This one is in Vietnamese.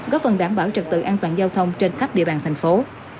góp phần đảm bảo trật tự an toàn giao thông trên khắp địa bàn thành phố